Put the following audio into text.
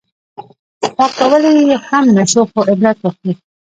پاک کولی یې هم نه شو خو عبرت واخلو.